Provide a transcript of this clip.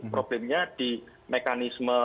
problemnya di mekanisme